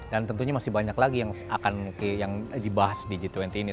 dan tentunya masih banyak lagi yang akan dibahas di g dua puluh ini